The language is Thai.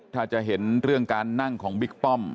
ถ้าจะเห็นเรื่องการนั่งของบิ๊กป้อม